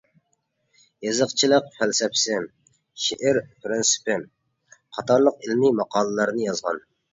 «يېزىقچىلىق پەلسەپىسى» ، «شېئىر پىرىنسىپى» قاتارلىق ئىلمىي ماقالىلەرنى يازغان.